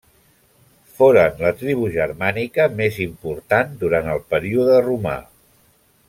Foren la tribu germànica més important durant el període romà.